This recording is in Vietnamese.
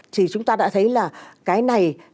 thì chúng ta đã thấy là cái này